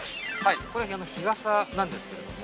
◆これは日傘なんですけども。